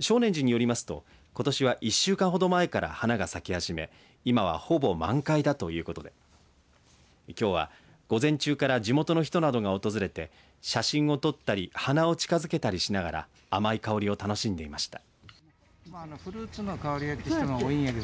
称念寺によりますとことしは１週間ほど前から花が咲き始め今はほぼ満開だということできょうは、午前中から地元の人などが訪れて写真を撮ったり鼻を近づけたりしながら甘い香りを楽しんでいました。